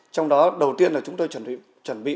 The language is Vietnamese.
trong đó đầu tiên là chúng tôi chuẩn bị